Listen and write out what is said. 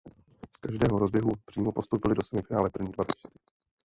Z každého rozběhu přímo postoupili do semifinále první dva běžci.